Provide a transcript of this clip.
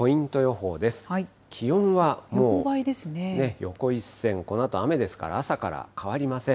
横一線、このあと雨ですから、朝から変わりません。